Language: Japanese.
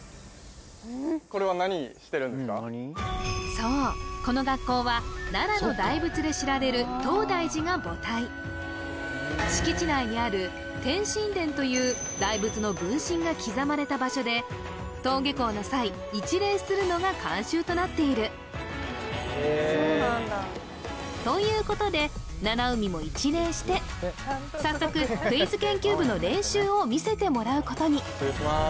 そうこの学校は奈良の大仏で知られる敷地内にある転心殿という大仏の分身が刻まれた場所で登下校の際一礼するのが慣習となっているということで七海も一礼して早速クイズ研究部の練習を見せてもらうことに失礼します